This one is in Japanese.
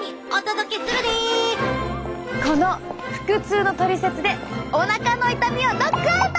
この腹痛のトリセツでおなかの痛みをノックアウト！